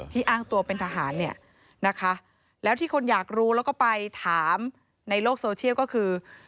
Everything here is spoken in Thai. อ้างตัวเป็นทหารเนี่ยนะคะแล้วที่คนอยากรู้แล้วก็ไปถามในโลกโซเชียลก็คือ